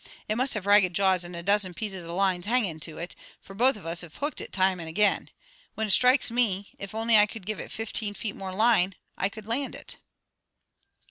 It must have ragged jaws and a dozen pieces of line hanging to it, fra both of us have hooked it time and again. When it strikes me, if I only could give it fifteen feet more line, I could land it."